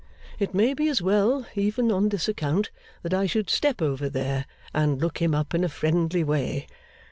It may be as well, even on this account, that I should step over there, and look him up in a friendly way.